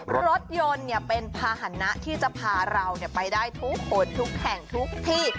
รถยนต์เป็นภาษณะที่จะพาเราไปได้ทุกคนทุกแห่งทุกที่